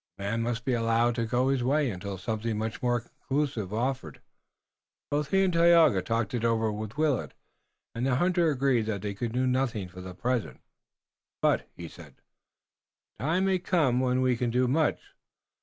The man must be allowed to go his way until something much more conclusive offered. Both he and Tayoga talked it over with Willet, and the hunter agreed that they could do nothing for the present. "But," he said, "the time may come when we can do much."